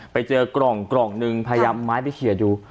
ไปเจอกลองกลองนึงพยายามไม้ไปเขียวดู